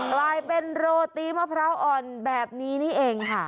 กลายเป็นโรตีมะพร้าวอ่อนแบบนี้นี่เองค่ะ